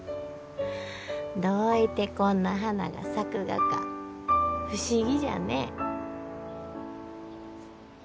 どういてこんな花が咲くがか不思議じゃね。